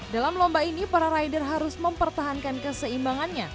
dalam lomba ini para rider harus mempertahankan keseimbangannya